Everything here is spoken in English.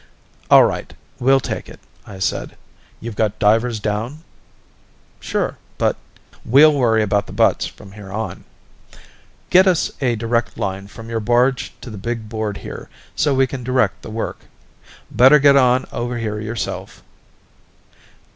"All right, we'll take it," I said. "You've got divers down?" "Sure, but " "We'll worry about the buts from here on. Get us a direct line from your barge to the big board here so we can direct the work. Better get on over here yourself."